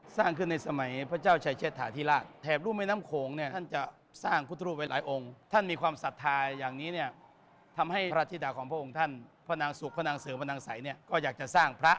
สร้างขึ้นในสมัยพระเจ้าชายเชษฐาธิราชแถบรูปแม่น้ำโขงเนี่ยท่านจะสร้างพุทธรูปไว้หลายองค์ท่านมีความศรัทธาอย่างนี้เนี่ยทำให้พระธิดาของพระองค์ท่านพระนางสุขพระนางเสริมพระนางสัยเนี่ยก็อยากจะสร้างพระ